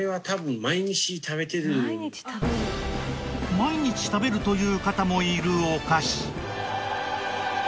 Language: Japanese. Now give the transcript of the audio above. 毎日食べるという方もいるお菓子。